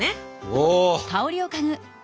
お！